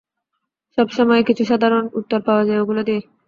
সবসময়েই কিছু সাধারণ উত্তর পাওয়া যায় ওগুলো দিয়ে।